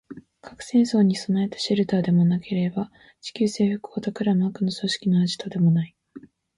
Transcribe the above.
核戦争に備えたシェルターでもなければ、地球制服を企む悪の組織のアジトでもない